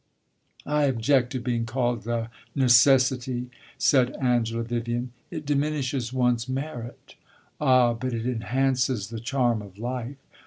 "I object to being called a necessity," said Angela Vivian. "It diminishes one's merit." "Ah, but it enhances the charm of life!"